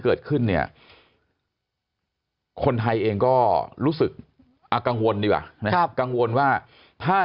เกิดขึ้นเนี่ยคนไทยเองก็รู้สึกอักกังวลดีกว่านะครับกังวลว่าถ้า